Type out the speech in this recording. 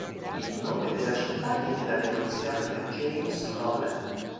Il nome della città viene da negoziante James Loveland.